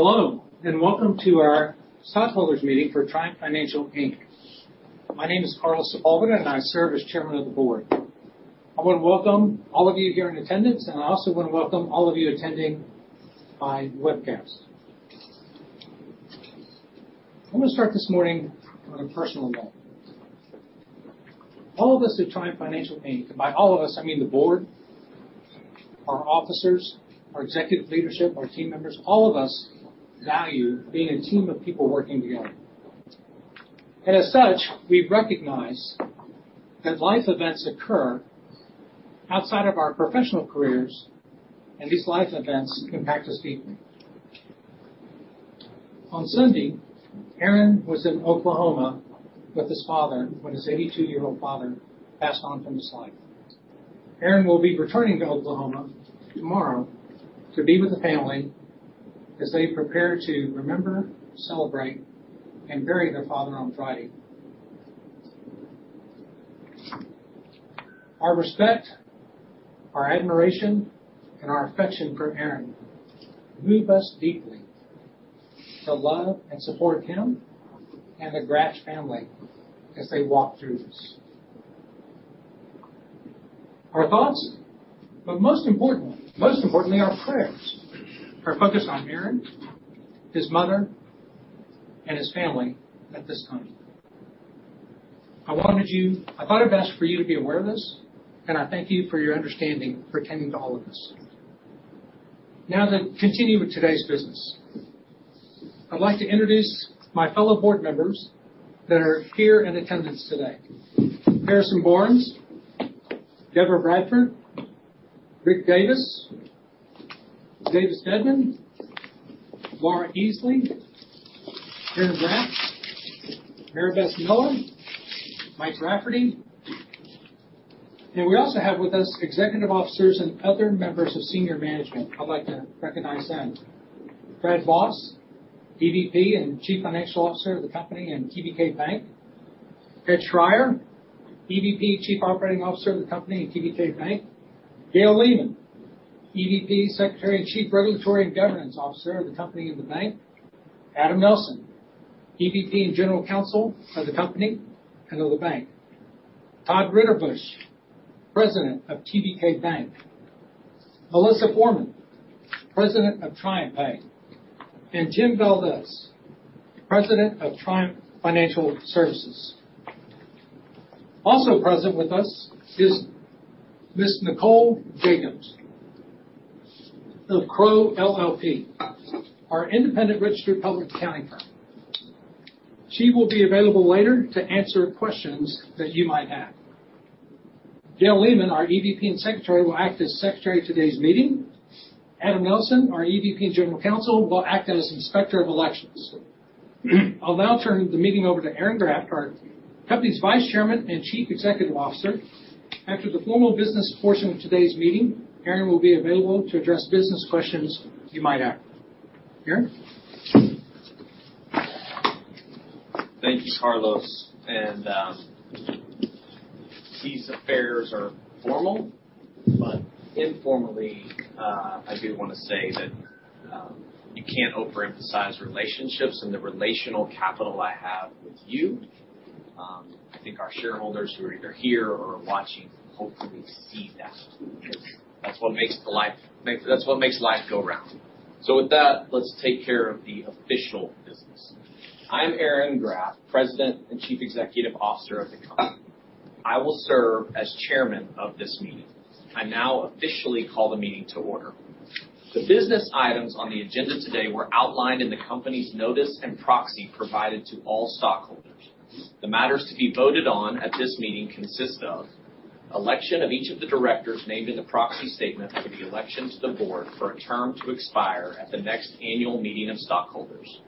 Hello, welcome to our stockholders meeting for Triumph Financial, Inc. My name is Carlos Sepulveda, and I serve as Chairman of the Board. I wanna welcome all of you here in attendance, I also wanna welcome all of you attending by webcast. I'm gonna start this morning on a personal note. All of us at Triumph Financial, Inc., by all of us, I mean the Board, our officers, our executive leadership, our team members, all of us value being a team of people working together. As such, we recognize that life events occur outside of our professional careers, these life events impact us deeply. On Sunday, Aaron was in Oklahoma with his father when his 82-year-old father passed on from his life. Aaron will be returning to Oklahoma tomorrow to be with the family as they prepare to remember, celebrate, and bury their father on Friday. Our respect, our admiration, and our affection for Aaron move us deeply to love and support him and the Graft family as they walk through this. Our thoughts, but most importantly, our prayers, are focused on Aaron, his mother, and his family at this time. I thought it best for you to be aware of this, and I thank you for your understanding for attending to all of this. To continue with today's business. I'd like to introduce my fellow board members that are here in attendance today. Harrison Barnes, Deborah Bradford, Rick Davis, Davis Deadman, Laura Easley, Aaron Graft, Maribess Miller, Mike Rafferty. We also have with us executive officers and other members of senior management. I'd like to recognize them. Brad Voss, EVP and Chief Financial Officer of the company and TBK Bank. Ed Schreyer, EVP, Chief Operating Officer of the company and TBK Bank. Gail Lehmann, EVP, Secretary, and Chief Regulatory and Governance Officer of the company and the bank. Adam Nelson, EVP and General Counsel of the company and of the bank. Todd Ritterbusch, President of TBK Bank. Melissa Forman, President of TriumphPay. Tim Valdez, President of Triumph Financial Services. Also present with us is Ms. Nicole Jacobs of Crowe LLP, our independent registered public accounting firm. She will be available later to answer questions that you might have. Gail Lehmann, our EVP and Secretary, will act as Secretary of today's meeting. Adam Nelson, our EVP and General Counsel, will act as Inspector of Elections. I'll now turn the meeting over to Aaron Graft, our company's Vice Chairman and Chief Executive Officer. After the formal business portion of today's meeting, Aaron will be available to address business questions you might have. Aaron. Thank you, Carlos. These affairs are formal, but informally, I do wanna say that, you can't overemphasize relationships and the relational capital I have with you. I think our shareholders who are either here or are watching hopefully see that. That's what makes life go round. With that, let's take care of the official business. I'm Aaron Graft, President and Chief Executive Officer of the company. I will serve as Chairman of this meeting. I now officially call the meeting to order. The business items on the agenda today were outlined in the company's notice and proxy provided to all stockholders. The matters to be voted on at this meeting consist of election of each of the directors named in the proxy statement for the election to the board for a term to expire at the next annual meeting of stockholders.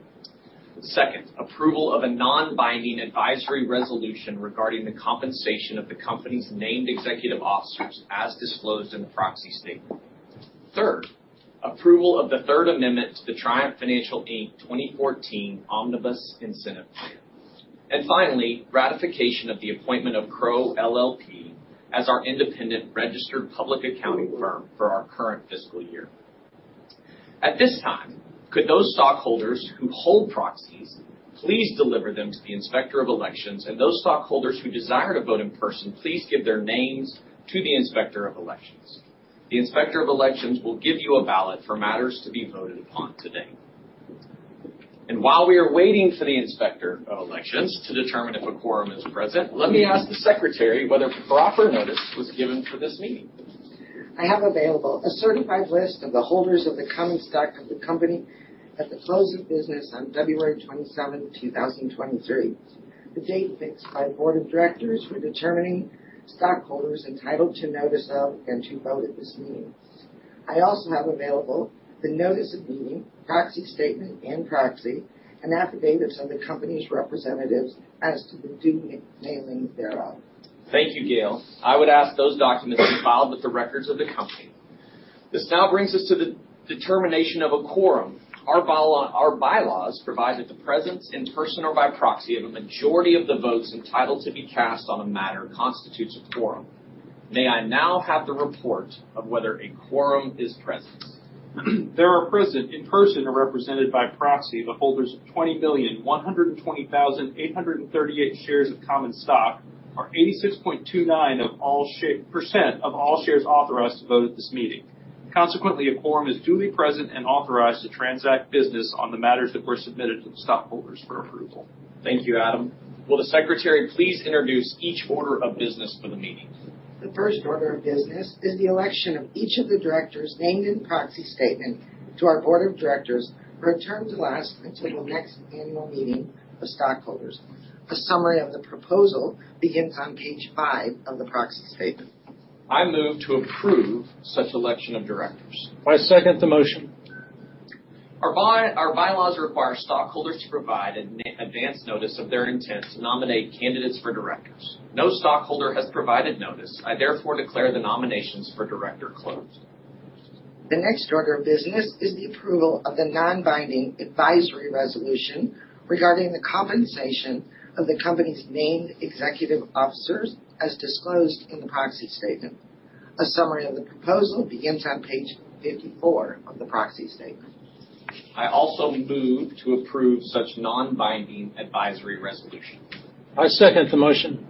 Second, approval of a non-binding advisory resolution regarding the compensation of the company's named executive officers as disclosed in the proxy statement. Third, approval of the Third Amendment to the Triumph Financial, Inc. 2014 Omnibus Incentive Plan. Finally, ratification of the appointment of Crowe LLP as our independent registered public accounting firm for our current fiscal year. At this time, could those stockholders who hold proxies please deliver them to the Inspector of Elections, and those stockholders who desire to vote in person please give their names to the Inspector of Elections. The Inspector of Elections will give you a ballot for matters to be voted upon today. While we are waiting for the Inspector of Elections to determine if a quorum is present, let me ask the Secretary whether proper notice was given for this meeting. I have available a certified list of the holders of the common stock of the company at the close of business on February 27th, 2023, the date fixed by the board of directors for determining stockholders entitled to notice of, and to vote at this meeting. I also have available the notice of meeting, proxy statement and proxy, and affidavits of the company's representatives as to the due mailing thereof. Thank you, Gail. I would ask those documents be filed with the records of the company. This now brings us to the determination of a quorum. Our bylaws provide that the presence in person or by proxy of a majority of the votes entitled to be cast on a matter constitutes a quorum. May I now have the report of whether a quorum is present? There are present in person or represented by proxy, the holders of 20,120,838 shares of common stock, or 86.29% of all shares authorized to vote at this meeting. Consequently, a quorum is duly present and authorized to transact business on the matters that were submitted to the stockholders for approval. Thank you, Adam. Will the secretary please introduce each order of business for the meeting? The first order of business is the election of each of the directors named in proxy statement to our board of directors for a term to last until the next annual meeting of stockholders. A summary of the proposal begins on page five of the proxy statement. I move to approve such election of directors. I second the motion. Our bylaws require stockholders to provide an advanced notice of their intent to nominate candidates for directors. No stockholder has provided notice. I therefore declare the nominations for director closed. The next order of business is the approval of the non-binding advisory resolution regarding the compensation of the company's named executive officers as disclosed in the proxy statement. A summary of the proposal begins on page 54 of the proxy statement. I also move to approve such non-binding advisory resolution. I second the motion.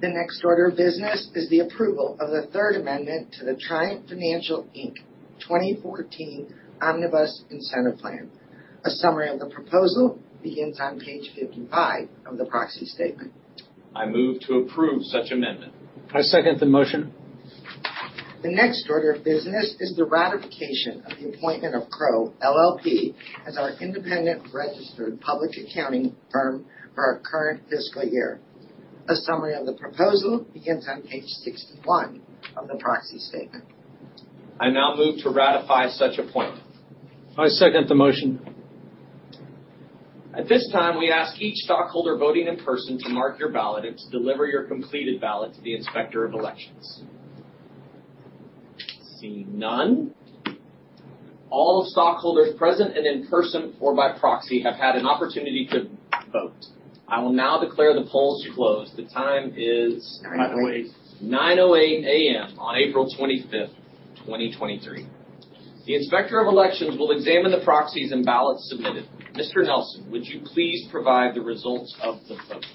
The next order of business is the approval of the third amendment to the Triumph Financial, Inc. 2014 Omnibus Incentive Plan. A summary of the proposal begins on page 55 of the proxy statement. I move to approve such amendment. I second the motion. The next order of business is the ratification of the appointment of Crowe LLP as our independent registered public accounting firm for our current fiscal year. A summary of the proposal begins on page 61 of the proxy statement. I now move to ratify such appointment. I second the motion. At this time, we ask each stockholder voting in person to mark your ballot and to deliver your completed ballot to the Inspector of Elections. Seeing none. All stockholders present and in person or by proxy have had an opportunity to vote. I will now declare the polls closed. The time is. 9:08. 9:08 A.M. on April 25th, 2023. The Inspector of Elections will examine the proxies and ballots submitted. Mr. Nelson, would you please provide the results of the vote?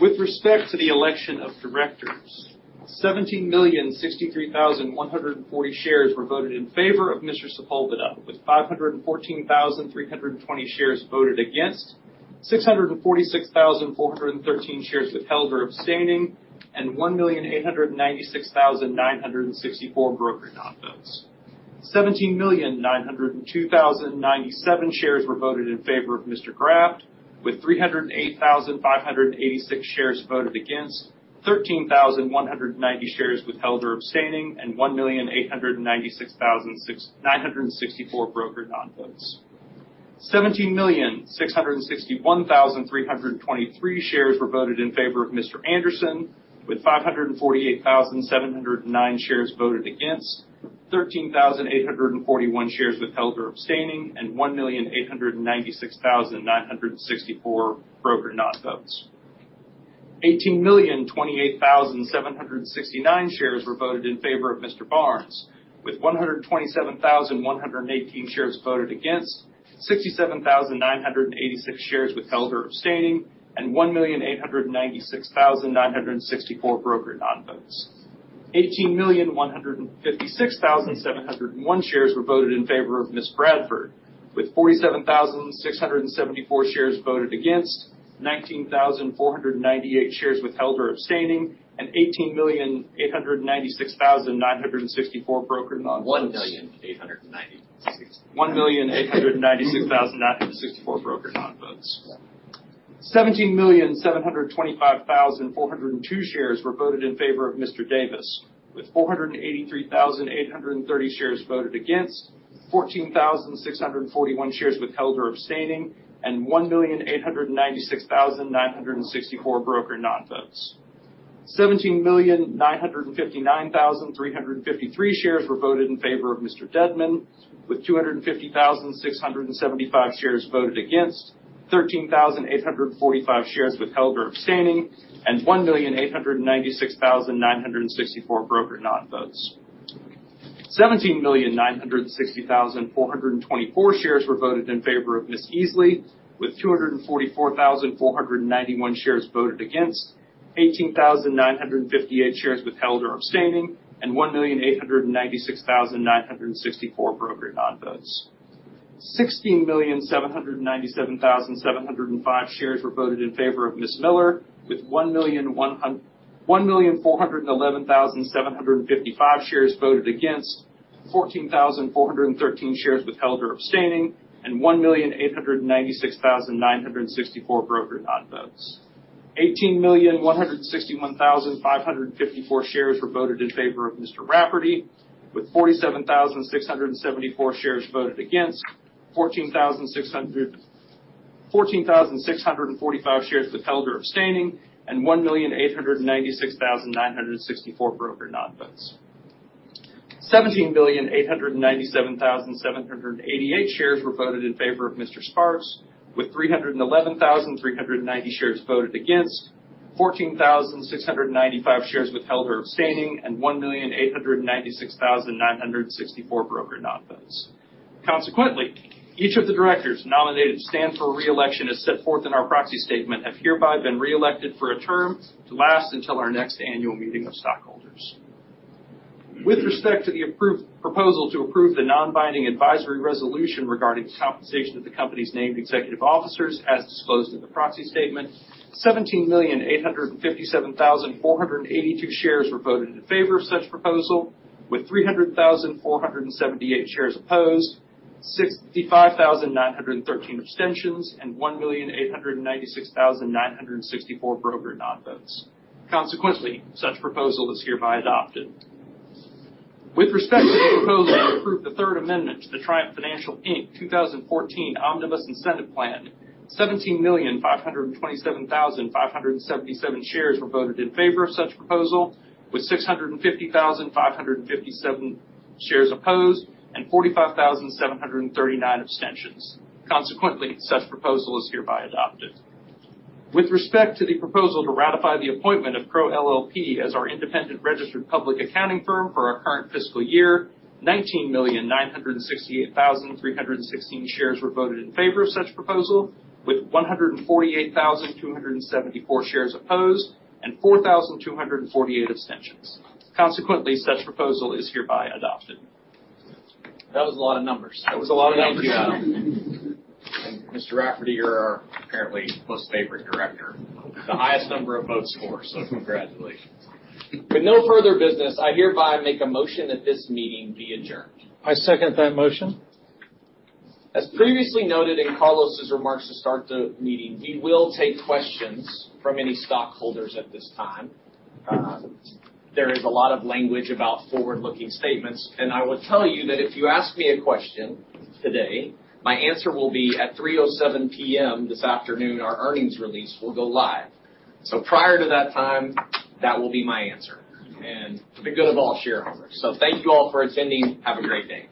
With respect to the election of directors, 17,063,140 shares were voted in favor of Mr. Sepulveda, with 514,320 shares voted against, 646,413 shares withheld or abstaining, and 1,896,964 broker non-votes. 17,902,097 shares were voted in favor of Mr. Graft, with 308,586 shares voted against, 13,190 shares withheld or abstaining, and 1,896,964 broker non-votes. 17,661,323 shares were voted in favor of Mr. Anderson, with 548,709 shares voted against, 13,841 shares withheld or abstaining, and 1,896,964 broker non-votes. 18,028,769 shares were voted in favor of Mr. Barnes, with 127,118 shares voted against, 67,986 shares withheld or abstaining, and 1,896,964 broker non-votes. 18,156,701 shares were voted in favor of Ms. Bradford, with 47,674 shares voted against, 19,498 shares withheld or abstaining, and 18,896,964 broker non-votes. 1,896,964. 1,896,964 broker non-votes. 17,725,402 shares were voted in favor of Mr. Davis, with 483,830 shares voted against, 14,641 shares withheld or abstaining, and 1,896,964 broker non-votes. 17,959,353 shares were voted in favor of Mr. Deadman, with 250,675 shares voted against, 13,845 shares withheld or abstaining, and 1,896,964 broker non-votes. 17,960,424 shares were voted in favor of Ms. Easley, with 244,491 shares voted against, 18,958 shares withheld or abstaining, and 1,896,964 broker non-votes. 16,797,705 shares were voted in favor of Ms. Miller, with 1,411,755 shares voted against, 14,413 shares withheld or abstaining, and 1,896,964 broker non-votes. 18,161,554 shares were voted in favor of Mr. Rafferty, with 47,674 shares voted against, 14,645 shares withheld or abstaining, and 1,896,964 broker non-votes. 17,000,897,788 shares were voted in favor of Mr. Sparks, with 311,390 shares voted against, 14,695 shares withheld or abstaining, and 1,896,964 broker non-votes. Consequently, each of the directors nominated to stand for re-election as set forth in our proxy statement have hereby been re-elected for a term to last until our next annual meeting of stockholders. With respect to the approved proposal to approve the non-binding advisory resolution regarding the compensation of the company's named executive officers as disclosed in the proxy statement, 17,857,482 shares were voted in favor of such proposal, with 300,478 shares opposed, 65,913 abstentions, and 1,896,964 broker non-votes. Consequently, such proposal is hereby adopted. With respect to the proposal to approve the third amendment to the Triumph Financial, Inc. 2014 Omnibus Incentive Plan, 17,527,577 shares were voted in favor of such proposal with 650,557 shares opposed and 45,739 abstentions. Consequently, such proposal is hereby adopted. With respect to the proposal to ratify the appointment of Crowe LLP as our independent registered public accounting firm for our current fiscal year, 19,968,316 shares were voted in favor of such proposal with 148,274 shares opposed and 4,248 abstentions. Consequently, such proposal is hereby adopted. That was a lot of numbers. That was a lot of numbers. Thank you. Mr. Rafferty, you're our apparently most favorite director. The highest number of vote scores, congratulations. With no further business, I hereby make a motion that this meeting be adjourned. I second that motion. As previously noted in Carlos's remarks to start the meeting, we will take questions from any stockholders at this time. There is a lot of language about forward-looking statements. I will tell you that if you ask me a question today, my answer will be at 3:00 P.M. this afternoon, our earnings release will go live. Prior to that time, that will be my answer. For the good of all shareholders. Thank you all for attending. Have a great day.